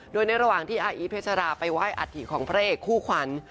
โดยในระหว่างที่อาอีเพชราไปไหว้อัฐิของพระเอกคู่ขวัญ